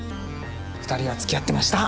２人はつきあってました。